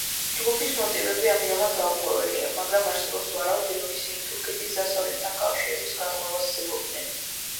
ჯგუფის მოტივები ამჟამად გაურკვეველია, მაგრამ არსებობს ვარაუდი, რომ ისინი თურქეთის დასავლეთთან კავშირების გარღვევას ცდილობდნენ.